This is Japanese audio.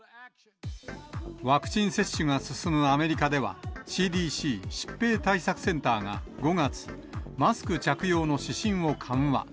ワクチン接種が進むアメリカでは、ＣＤＣ・疾病対策センターが５月、マスク着用の指針を緩和。